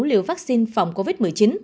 liệu vaccine phòng covid một mươi chín